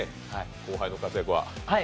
後輩の活躍は？